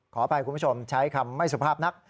ขออภัยคุณผู้ชมใช้คำไม่สุภาพนัก